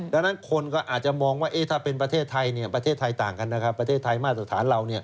ดังนั้นคนก็อาจจะมองว่าถ้าเป็นประเทศไทยประเทศไทยต่างกันนะครับประเทศไทยมาตรฐานเราเนี่ย